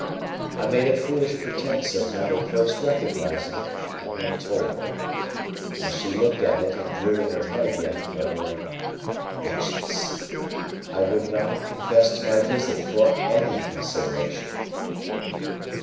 I made a foolish pretence of not at first recognising it, and then told her. As she looked at it, and drew in her head again, murmuring, "Wretches!" I would not have confessed to my visit for any consideration.